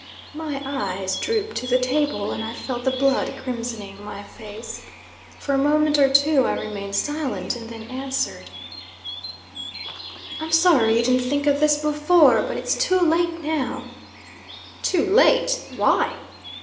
My eyes drooped to the table, and I felt the blood crimsoning my face. For a moment or two I remained silent, and then answered "I'm sorry you didn't think of this before; but it's too late now." "Too late! Why?"